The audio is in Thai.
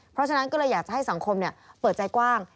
เพราะฉะนั้นก็เลยอยากจะให้สังคมเปิดใจกว้าง